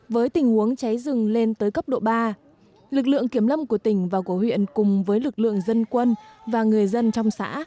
với tình huống cháy rừng lên tới cấp độ ba lực lượng kiểm lâm của tỉnh và của huyện cùng với lực lượng dân quân và người dân trong xã